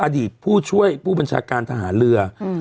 อดีตผู้ช่วยผู้บัญชาการทหารเรือ